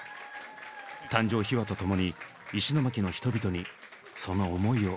誕生秘話とともに石巻の人々にその思いを語りました。